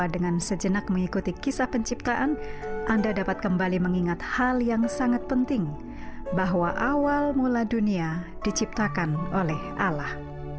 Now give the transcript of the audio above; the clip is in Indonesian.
dengan sejenak mengikuti kisah penciptaan anda dapat kembali mengingat hal yang sangat penting bahwa awal mula dunia diciptakan oleh allah